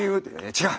「違う！